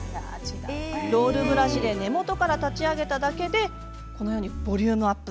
ロールブラシで根元から立ち上げただけでボリュームアップ。